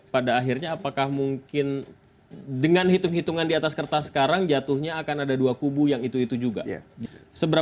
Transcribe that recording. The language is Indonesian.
pada akhirnya apakah mungkin dengan hitung hitungan di atas kertas sekarang jatuhnya akan ada dua kubu yang itu itu juga